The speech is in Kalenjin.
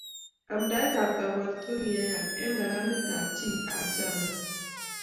Amndaet ab kabwetet kokiyayak eng karanit ab chi ab chamait